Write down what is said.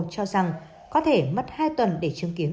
cho rằng có thể mất hai tuần để chứng kiến